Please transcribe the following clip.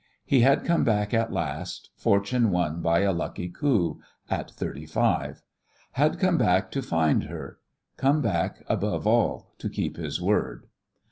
He had come back at last, fortune won by a lucky coup at thirty five; had come back to find her, come back, above all, to keep his word.